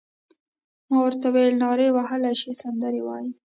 ما ورته وویل: نارې وهلای شې، سندرې وایې؟